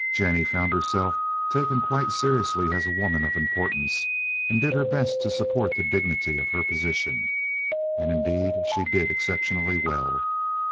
Jennie found herself taken quite seriously as a woman of importance, and she did her best to support the dignity of her position. And, indeed, she did exceptionally well.